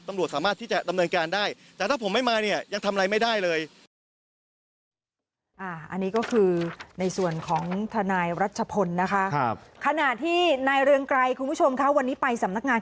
ตำรวจสามารถที่จะดำเนินการได้